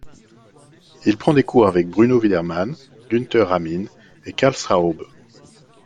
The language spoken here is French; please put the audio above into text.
Il prend des cours avec Bruno Wiedermann, Günther Ramin et Karl Straube.